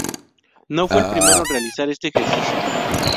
No fue el primero en realizar este ejercicio.